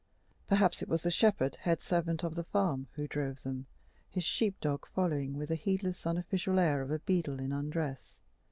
Perhaps it was the shepherd, head servant of the farm, who drove them, his sheep dog following with a heedless, unofficial air, as of a beadle in undress.